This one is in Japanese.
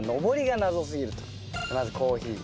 まずコーヒー。